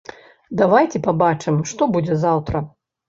Давайце пабачым, што будзе заўтра.